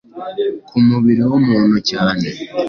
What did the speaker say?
ku mubiri w’ umuntu cyane